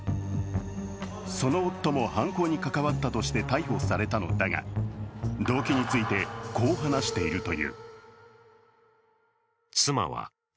その夫も犯行に関わったとして逮捕されたのだが動機について、こう話しているという。